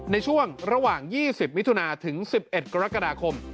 ในช่วงระหว่าง๒๐มิถุนาถึง๑๑กรกฎาคม